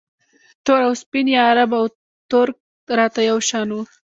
تور او سپین یا عرب او ترک راته یو شان وو